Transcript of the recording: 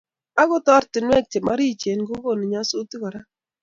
Agot oratinwek che morichen kokonu nyasutik kora